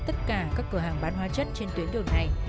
tất cả các cửa hàng bán hóa chất trên tuyến đường này